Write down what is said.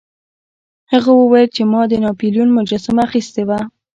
هغه وویل چې ما د ناپلیون مجسمه اخیستې وه.